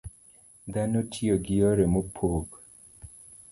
Dhano tiyo gi yore mopog